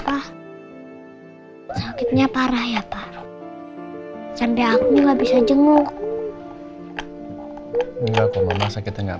pak sakitnya parah ya pak sampai aku nggak bisa jenguk enggak kok mama sakitnya enggak